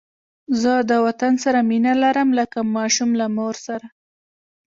زه د وطن سره مینه لرم لکه ماشوم له مور سره